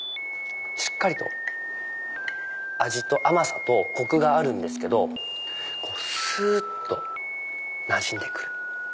しっかりと味と甘さとコクがあるんですけどすっとなじんでくる。